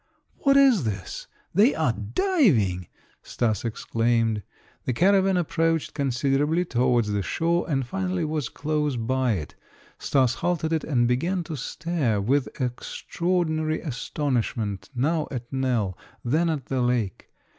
"What is this? They are diving!" Stas exclaimed. The caravan approached considerably towards the shore and finally was close by it. Stas halted it and began to stare with extraordinary astonishment now at Nell, then at the lake.